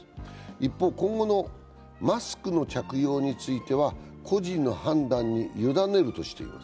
一方、今後のマスクの着用については個人の判断にゆだねるとしています。